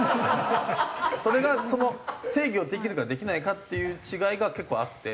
それがその制御できるかできないかっていう違いが結構あって。